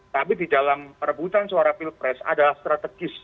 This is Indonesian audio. tapi di dalam perebutan suara pilpres adalah strategi